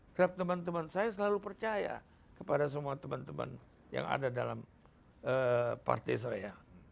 kerap teman teman saya selalu percaya kepada semua teman teman yang ada dalam partai saya